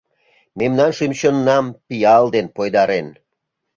Мемнан шӱм-чоннам пиал ден пойдарен.